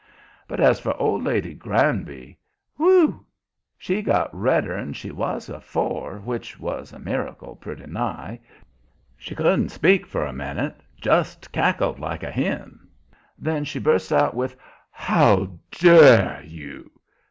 But as for old lady Granby whew! She got redder'n she was afore, which was a miracle, pretty nigh. She couldn't speak for a minute just cackled like a hen. Then she busts out with: "How dare you!"